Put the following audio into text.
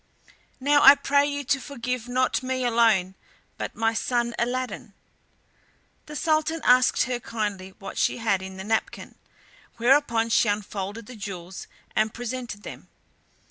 Now I pray you to forgive not me alone, but my son Aladdin." The Sultan asked her kindly what she had in the napkin, whereupon she unfolded the jewels and presented them.